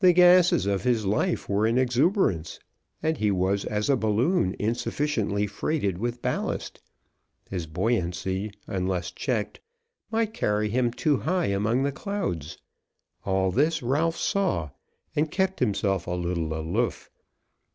The gases of his life were in exuberance, and he was as a balloon insufficiently freighted with ballast. His buoyancy, unless checked, might carry him too high among the clouds. All this Ralph saw, and kept himself a little aloof.